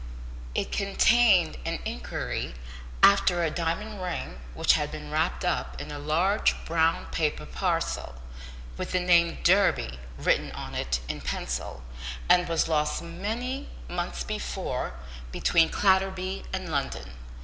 It contained an inquiry after a diamond ring which had been wrapped up in a large brown paper parcel, with the name Durby written on it in pencil, and was lost many months before between Clatterby and London.